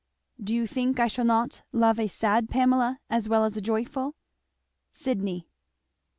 Do you think I shall not love a sad Pamela as well as a joyful? Sidney.